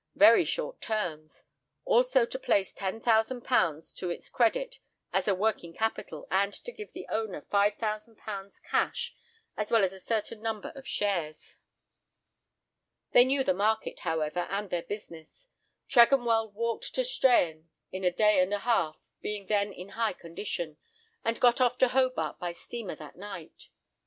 Very short terms! Also to place £10,000 to its credit as a working capital, and to give the owner £5,000 cash as well as a certain number of shares. They knew the market, however, and their business. Tregonwell walked to Strahan in a day and a half, being then in high condition, and got off to Hobart by steamer that night.